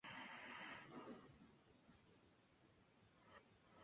Otras esculturas representan escenas de su vida.